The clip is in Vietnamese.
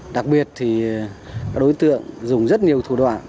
đặc biệt thì các đối tượng dùng rất nhiều thủ đoạn